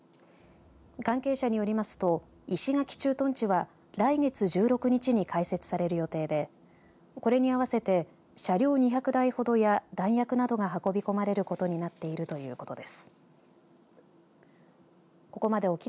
関係者によりますと石垣駐屯地は来月１６日に開設される予定でこれに合わせて車両２００台ほどや弾薬などが運び込まれることになっているということです。